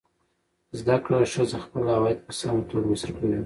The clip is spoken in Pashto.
زده کړه ښځه خپل عواید په سمه توګه مصرفوي.